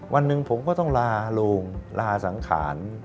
วันหนึ่งผมก็ต้องลาโรงลาสังขาร